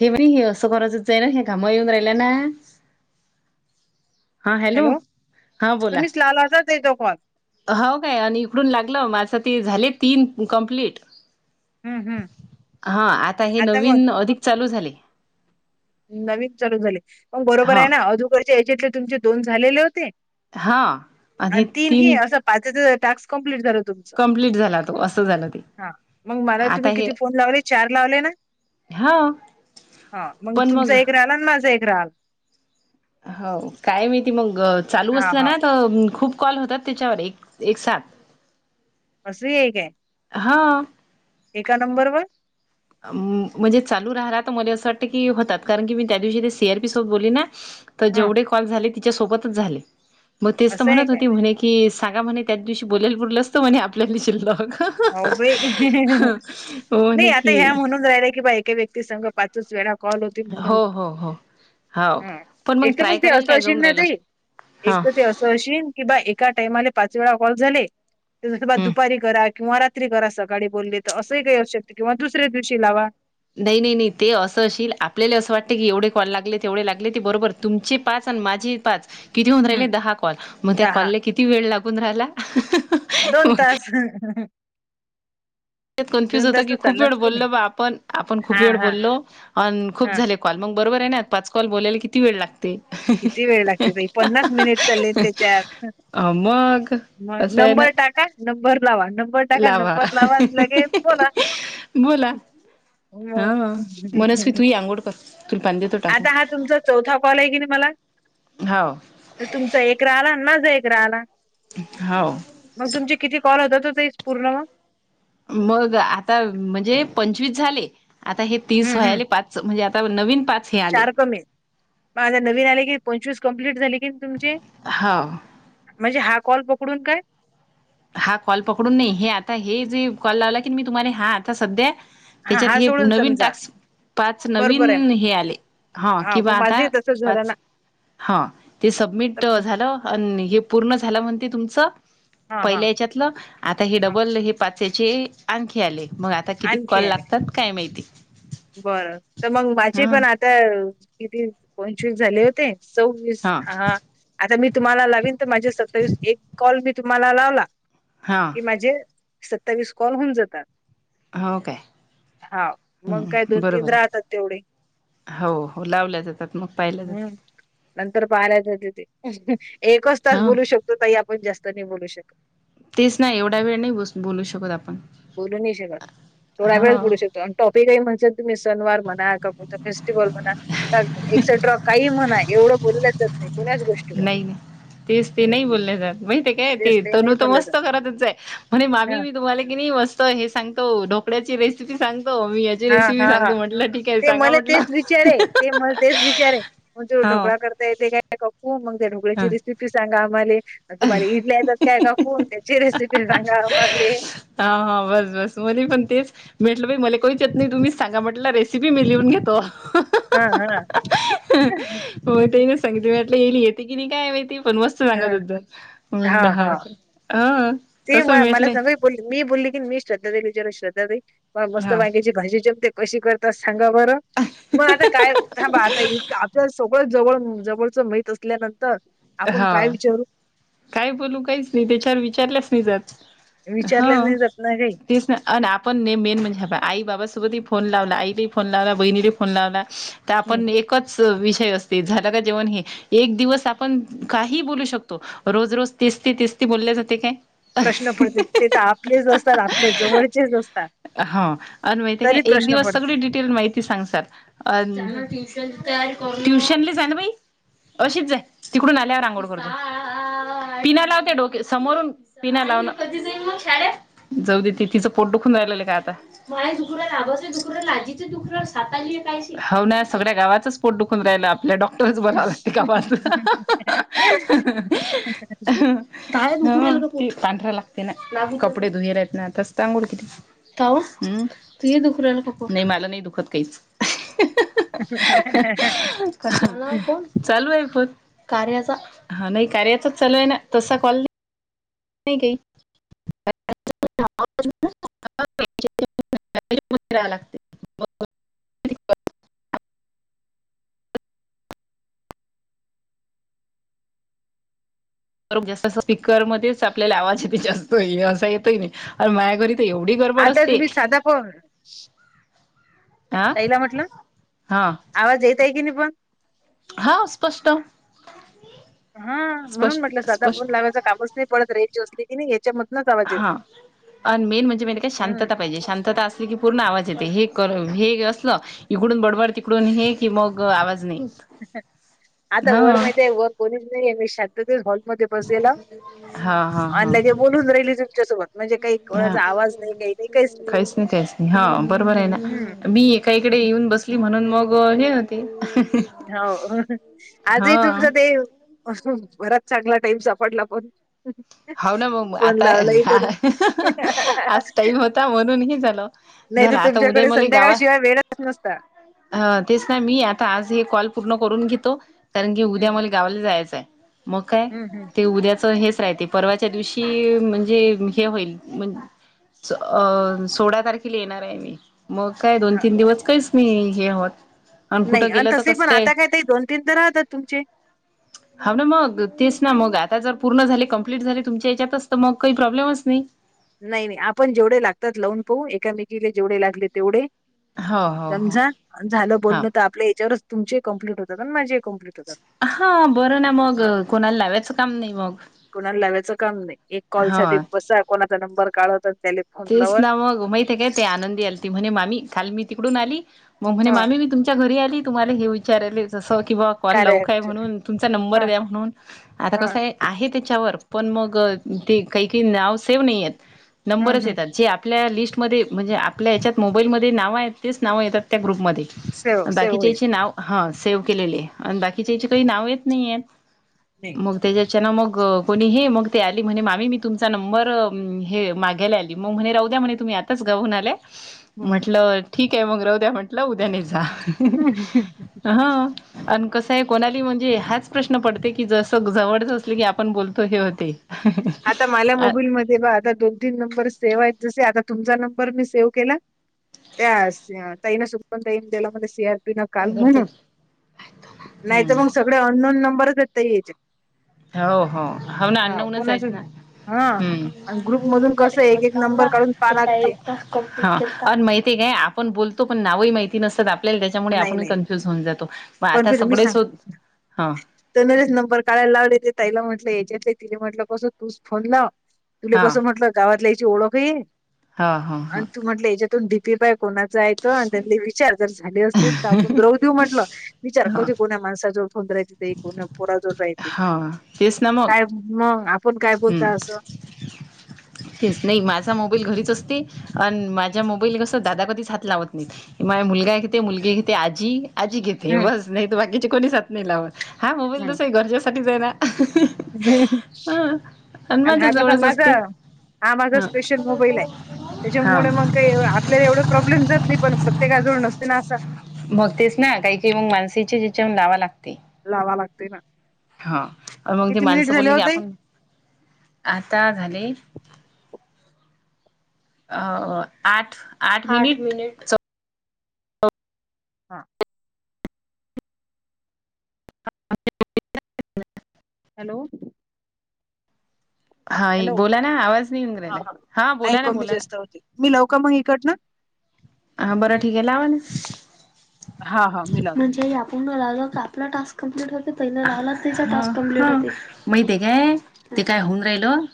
हे पण हे असं गरजच आहे ना हे घामा येऊन राहिल्या ना हॅलो हा बोला तुम्ही स् लालचाात देतो कॉल हो काय आणि इकडून लागलं माझं ते झाले तीन कम्प्लीट हं हं हा आता हे नवीन अधिक चालू झाले नवीन चालू झाले मग बरोबर हा आहे ना अधुकडच्या एजटले तुमचे दोन झालेले होते हा हे आणि तीनही तीन अस पाचच टास्क कंप्लीट झाल तुम् कंप्लीट झाला तो असं झालं ते हा मग मला आता तुम्ही हे किती फोन लावले चार लावले ना हा हा मग तुमचा एक राहाल आणि माझा एक राहाल हो काय माहिती मग चालू हा असलं हा ना तर खूप कॉल होतात त्याच्यावर एक एक सात असं आहे काय हा एका नंबरवरर म्हणजे चालू राहला तर मला असं वाटतं की होतात कारण की मी त्या दिवशी ते सी आरपी सोबत बोलली ना तर हा जेवढे कॉल झाले तिच्या सोबतच झाले मग तेच असं आहे म्हणत काय हो म्ह कि सांगा म्हणे त्याच दिवशी बोलायला बोलल असतं म्हणे आपल्याला शिरल हो बाई नाही म्हणे आता की ह्या म्हणून राहिला की बा एकका व्यक्ती संग पाच वेळा कॉल होतील म हो हो हो हो पण मग एक तर ट्राय ते केल काय जाऊन राहिलं हा कि बा एका टाइमा पाच वेळा कॉल झाले हम्म दुपारी करा किंवा रात्री करा सकाळी बोलले तर असंही काही असऊ शकत किंवा दुसऱ्या दिवशी लावा नाही नाही नाही ते असं असशल आपल्याला असं वाटत की एवढे कॉण लागले तेवढे लागले ते बरोबर तुमचे पाच आणि माझे पाच किती होऊन हम्म राहिले दहा कॉल मग त्या दहा कॉलला किती वेळ लागून राहिला दोन मग तास कन्फ्युज दोन होत तास की तर खूप वेळ चाललाच की नाही बोललो बा आपण आपण खूप हा वेळ हा बोललो खूप हा झाले कॉ मगरोबर आहे नात पाच कल बोला किती वेळ लागते किती वेळ लागते ताई पन्नास मिनिट चालले ते त्याच्यात अ मग मग असस आहे ना नंबर टाका नंबर लावा नंबर टाका नंबर लावा म्ह लगे बोला बोला हो हा मनस्वी तू ही आंघोळ कर तुला पाणी देतो आता हा टाकून तुमचा चौथा कॉल आहे की नाही मला हाव तर तुमचा एक रा आला माझ एक रा आला होा मग तुमची किती कॉल होत ते पूर्णग मग आता म्हणजे पंचवीस झाले आता हे तीस हम्म हम्म वयले पाच म्हणजे आता नवीन पाच हे आले चार कमी आहेत. मग आता नवीन आले की पंचवीस कम्प्लीट झाले की तुमचे हा म्हणजे हा कॉल पकडून काय हा कॉल पकडून नाही हे आता हे जे कॉल लावला की मी तुम्हाला हा आता सध्या हा त्याच्यात हा हे सोडून नवीन समजा टास्क पाच बरोबर आहे नवीन हे आले हा किंवा मग आता माझे तसच झालं ना पाच हा ते सबमिट तर झालं आणि हे पूर्ण झालं म्हणते तुमचं? हा हा पहिल्या याच्यातलं आता हे हा डबल हे पाच ह्याचे आणखी आले मग आता किती आणखी कॉल आले लागतात. काय माहिती बरं तर मग माझे हा पण आता किती पंचवीस झाले होते सव्वीस हा आता मी तुम्हाला लावीन तर माझ्या सत्तावीस एक कॉल मी तुम्हाला लावला हा कि माझे सत्तावीस कॉल होऊन जातात हाव काय हा मग काय दोन बरोबर तीन आहे. राहतात तेवढे हो लावल्या जातात. मग पाहिल्या हम्म जातात नंतर बारा वाजते एकच तास हा बोलू शक तो बाई आपण जास्त नाही बोलू शकत. तेच ना एवढा वेळ नाही बसू बोलू शकत आपण. बोलू नाही शकत थोड्या वेळच हा बोलू शक टोन टॉपिक आहे म्हणजे तुम्ही सनवार म्हणा का कोणता फेस्टिवल म्हणा का एक्सेट्रा काही म्हणा एवढं बोललं जात नाही कोणाच गोष्टीवर. तीच ती हम्म, नाही हम्म. बोलले जात माहितय काय तेच ते नाही तोनू तर बोललं जात मस्त घरातच आहे म्हणे मामी मी तुम्हाला कि नाही मस् त हे सांगतो ढोकळ्याची रेसिपी सांगतो मी जे हा रेसिपी सांगतो म्हटलं ठीक आहे सांगा म्हटलं. तरे ते म तेच विचारे मग तो हो ढोकळा करता येते काय काकु मग त्या ह ढोकळ्याची रेसि पी सांगा आम्हाले तुम्हाला इडली येतात काय का कोण त्याची रेसिपी सांगा आम्हाले. हा हा बस बस मुली पण तेच म्हेटलं बाई मला कोईच येत नाही तुम्हीच सांगा म्हटलं रेसिपी मी लिहून घेतो. हा हा होय त्यांनीच सांगितलं म्हटलं येईल येते कि नाही काय माहिती पण मस् त सांगत हा होतं म्हणला हा का हा. ते म कसं मला भेटलंय सगळे बोलले मी बोलली की मी श्रद्धा ताईला विचाराल श्रद्धा ताई म मस्त हा वांगेची भाजी जेमते कशी करतास सांगा बरं? मग आता काय थांबा आता इतकं आपल्या सगळं जवळ जवळचं माहित असल्यानंतर आपण हा काय विचारू काय बोलू काहीच नाही त्याच्यावर विचारलंच नाही जात. विचारल्याच हाव नाही जात ना काही तेच ना आणि आपण न मेन म्हणजे आई बाबासोबतही फोन लावला आईलाही फोन लावला बहिणीलाही फोन लावला तर हम्म आपण एकच विषय असते झालं का जेवण हे एक दिवस आ पण काही बोलू शकतो रोज-रोज तेचती तेचती बोलल्या जाते काय. प्रश्न पडते ते तर आपलेच असतात आपल्या जवळचेच असतात. हा आणि माहिती आहे तरी काय एक प्रश्न दिवस सगळी पडते डिटेल माहिती सांग सर अ हम्म ट्युशनली जा ना बाई अशीच जा तिकडून आल्यावर आंगोळ करतो. पिना लावते डोके समोरून पिण्या लाव ना. जाऊ दे ते तिचं पोट दुखून राहिलेलं काय आता. हो ना सगळ्या गावातच फोट दुखून राहिला आपल्या डॉक्टरच बरं आल्यात गावात. [unintelligible] पांढरा लागते ना कपडे धुयला आहेत ना आताच तर आंगोळ केली. नाही मला नाही दुखत काहीच. चालू आहे फोन कार्याचा हा नाही कार्याचाच चालू आहे ना तसं कॉल नाही [unintelligible] [unintelligible] बरो जास्त स्पीकरमध्येच आपल्याला आवाज आहे ते जास्तये असा येतोय नाही आणि माझा घरी ते एवढी गडबड आता असते तुम्ही साधा फोन हा ताईला म्हटलं हा आवाज येत आहे की नाही पण? हा स्पष्ट हा म्हणून स्पष्ट म्हटलं सादा स्पष्ट फोन लागायचा कामच नाय पडत रेंज असली. नाही याच्यामधन हा मेन म्हणजे म्ह काय हं. शांतता पाहिजे शांतता अस पूर्ण आवाज येते हे कर हे असलं इकडून बडबड तिकडून हे की मग आवाज नाही येत आता हा वर माहिती आहे वर कोणीच नाहीये मी शांतते हॉलमध्ये सला हा हा हा आणि जे बोलून राहिली तुमच्यासोबत म्हणजे काही हा कोणाचा आवाज नाही काही काहीच नाही काहीच नाही हा बरोबर आहे हं, ना मी एक काहीकडे येऊन बसली म्हणून मग हे होती हो आजही तुमचं ते बराच चांगला टाईम सापडला पण होा ना मग फोन आता लावलाही तरी. आज टाईम होता म्हणूनही झाला नाही तर तुमच्याकडे संध्याकाळशिवाय वेळच नसता ह तेच ना मी आता आज हे कॉल पूर्ण करून घेतो कारण की उद्या हं, मला गा जायचंय मग काय हं, हं. ते उद्याच हेच राह ते परवाच्या दिवशी म्हणजे हे होईल अ सोळा तारखेला येणार आहे मी मग काय दोन हां, तीन हो काय. दिवस काहीच न हे आहोत नाही आणि तसे पण आता कायत दोन तीन तर राहतात तुमचे ह ना मग तेच ना मग आता जर पूर्ण झाले कम्प्लीट ट झाले तुच्यात मग काही प्रॉबलेमच नाही नाही नाही आपण जेवढे लागतात लावून पाहू एकामेकीले जेवढे लागले तेवढे हो हो हो. समजा झालं हा बोलण तर आपल्या याच्यावरच तुमचे कम्प्लीट होतं पण माझीही कम्प्लीट होत हा बरं ना मग कोणाला लावायचं काम नाही मग कोणाला लावायचं काम नाही एक कॉल साठी हा बसा कोणाचा नंबर काढवत त्याले तेच ना मगमथ काय ते आनंदी आला ती म्हणे मामी काल मी तिकडून आली मग म्हणे हा मामी मी तुम च्या घरी आली तुम्हाला हे विचारयले जसं कि बॉ कॉल कार्य लवक आहे ॲपच म्हणून तुमचा हा नंबर द्या म्हणून आता हा कसं आहे आहे त्याच्यावर पण मग ते काही काही नाव सेव्ह नाही आहेत हम्म नंबरच हम्म येत जे आपल्या लिस्टमध्ये म्हणजे आपल्या ह्याच्यात मोबाईलमध्ये नावं आहेत तेच नावं येतात त्या ग्रुपमध्ये सेव सेव बाकीच्या होईल याचे नाव हा सेव्ह केलेले आणि हं, बाकीच्या याचे काही नाव येत नाही आहेत नाही मग त्याच्याच्यानं मग कोणी हे मग ते आली म्हणे मामी मी तुमचा नंबर हे मागायला आला मग म्हणे राहूद्या म्हणे तुम्ही आताच गाऊून आलाय हम्म म्हटलं ठीकय मग राह द्या म्हटलं उद्याने हा अन कसं आहे कोणाली म्हणजे हाच प्रश्न पडते की जसं जवळच असले की आपण बोलतो हे होते आता माझ्या काय मोबाईलमध्येध्ये बा आता दोन तीन नंबर सेव्ह आहेत जसे आता तुमचा नंबर मी सेव्ह केला त्या ताईनं सुपन ताईन दिला मले सिया नकाल करतात म्हणून नाही हम्म तर मग सगळे अननोन नंबरच येत याचे हो हो ह अन्नोनच ना हा आणि ग्रुप मधून कसं एक एक नंबर काढून पा लागते ह अ माहिती काय आपण बोलतो पण नावही माहिती नसतात त्याच्यामुळे नाही आपण नाही कन्फ्युज होऊन जातो म आता सगळेच ह तर नरीच नंबर काढायला लावले ते तईला म्हटलं याच्यातले तिने म्हटलं कस तूच फोन लाव तुला हा कसं म्हटलं गावातल्या याची ओळख आहे हा हा हा आणि तू म्हटलं याच्यातून भीपी बाय कोणाचा येतो आणि त्यां विचार जर झाले असतील तर आपण राहू म्हटलं विचार क हा की को माणसा जोड होोंद राय ते को पोरा जोड राहय हा तेच ना मग काय मग आपण काय हम्म बोलता असं तेच नाही माझा मोबाईल घरीच असते आणि माझ्या मोबाईल कस दादा कधीच हात लावत नाहीत म मा मुलगा खेत मुलगी खेत आजी अजी किथे हम्म बस नाही तो बाकीचे कोणी साात नाही लाव हा मोबाईल हम्म तसही घरजेसाठीच आहे ना हा आणि माझ्या हा कसा जवळच माझ असते. हा माझा स्पेशल मोबाईल आहे हा त्याच्यामुळे मग का आपल्याला एवढं प्रॉब्लेम जात नाही पण प्रत्येकाजवळ नसते ना असा बघतेस ना काही काही मग माणसेचे ज्याच्या लावा लागते लावा लागतेय ना हा मग ती किती मिनिट माणसं झाले बोलली हो की ताई आपण आता झाली आता झाले आठ आठ मिनट च हा हॅलो हा हॅलो बोला ना आवाज नाही येऊन ह राहिला ह हा नाही बोला ना कमी बोला जास्त ना होती मी लावू का मग इकडनं हा बरं ठीक आहे लावा ना हा हा मी लावते म्हणजे पुन्हा लावला आपला टास्क कंप्लिट होते पहिला लावला तिचा टास्क कंप्लिट होते माहिते काय ते काय होऊन राहिलं